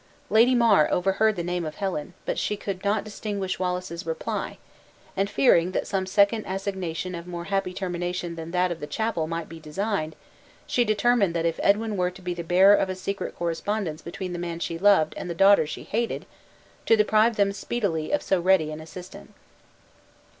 Lady Mar overheard the name of Helen, but she could not distinguish Wallace's reply; and fearing that some second assignation of more happy termination than that of the chapel might be designed, she determined that if Edwin were to be the bearer of a secret correspondence between the man she loved and the daughter she hated, to deprive them speedily of so ready an assistant.